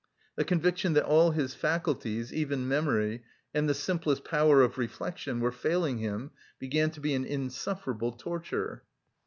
The conviction that all his faculties, even memory, and the simplest power of reflection were failing him, began to be an insufferable torture.